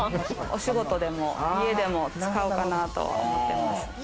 お仕事でも家でも使うかなと思ってます。